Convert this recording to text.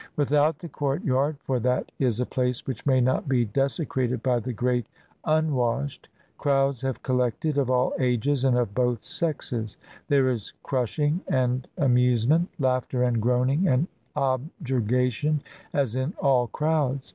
Without the courtyard — for that is a place which may not be desecrated by the great un washed — crowds have collected, of all ages and of both sexes; there is crushing and amusement, laughter and groaning and objurgation, as in all crowds.